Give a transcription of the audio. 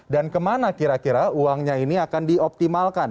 dan kemana kira kira uangnya ini akan dioptimalkan